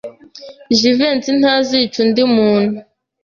Jivency ntazica undi muntu.